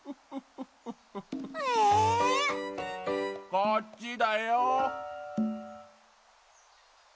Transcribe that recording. こっちだよ。